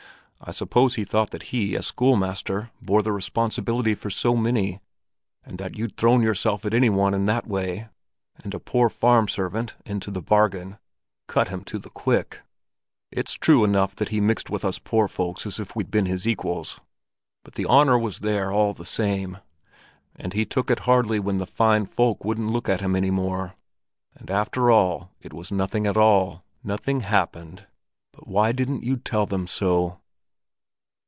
I suppose he thought that he, as schoolmaster, bore the responsibility for so many, and that you'd thrown yourself at any one in that way, and a poor farm servant into the bargain, cut him to the quick. It's true enough that he mixed with us poor folks as if we'd been his equals, but the honor was there all the same; and he took it hardly when the fine folk wouldn't look at him any more. And after all it was nothing at all—nothing happened? But why didn't you tell them so?"